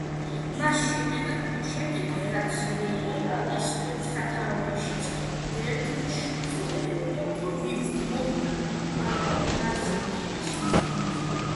მას შემდეგ რაც რეალის სათავეში ბერნდ შუსტერი მოვიდა, ბრაზილიელს მუდმივი სათამაშო პრაქტიკა აქვს.